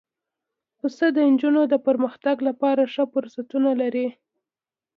پسه د نجونو د پرمختګ لپاره ښه فرصتونه لري.